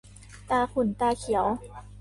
ตาขุ่นตาเขียว